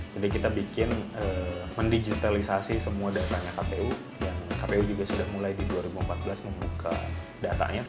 jadi kita bikin mendigitalisasi semua datanya kpu dan kpu juga sudah mulai di dua ribu empat belas membuka datanya